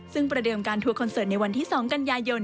ซึ่งประเดิมการทัวร์คอนเสิร์ตในวันที่๒กันยายน